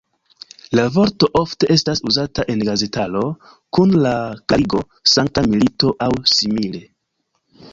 La vorto ofte estas uzata en gazetaro kun la klarigo "sankta milito" aŭ simile.